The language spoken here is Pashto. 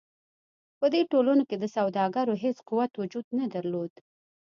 په دې ټولنو کې د سوداګرو هېڅ قوت وجود نه درلود.